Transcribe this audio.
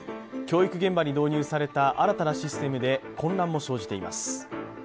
教育現場に導入された新たなシステムで混乱も生じています。